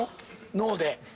脳で。